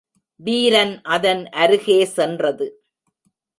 வீரன் அதன் அருகே சென்றது.